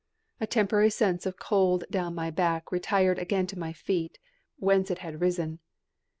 A temporary sense of cold down my back retired again to my feet, whence it had risen.